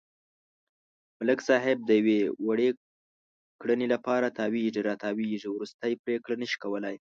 ملک صاحب د یوې وړې کړنې لپاره تاوېږي را تاووېږي، ورستۍ پرېکړه نشي کولای.